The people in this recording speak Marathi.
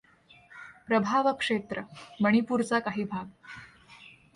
प्रभावक्षेत्र मणिपूरचा काही भाग.